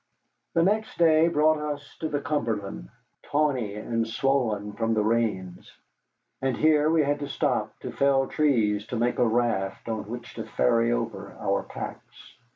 The next day brought us to the Cumberland, tawny and swollen from the rains, and here we had to stop to fell trees to make a raft on which to ferry over our packs.